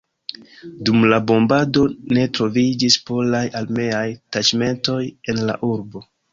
Dum la bombado ne troviĝis polaj armeaj taĉmentoj en la urbo.